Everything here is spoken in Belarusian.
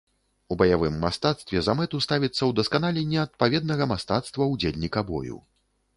У баявым мастацтве за мэту ставіцца ўдасканаленне адпаведнага мастацтва ўдзельніка бою.